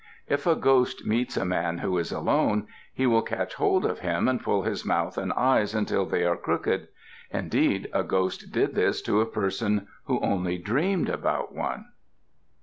If a ghost meets a man who is alone, he will catch hold of him and pull his mouth and eyes until they are crooked. Indeed, a ghost did this to a person who only dreamed about one.